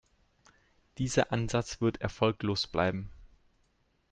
Dieser Ansatz wird erfolglos bleiben.